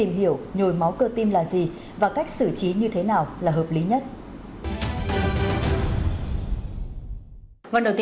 nhồi máu cơ tim là gì và cách xử trí như thế nào là hợp lý nhất